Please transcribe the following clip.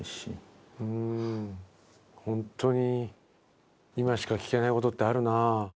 うん本当に今しか聞けないことってあるな。